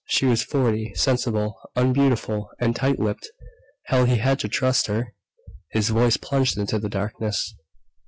She was forty, sensible, unbeautiful, and tight lipped. Hell, he had to trust her! His voice plunged into the darkness.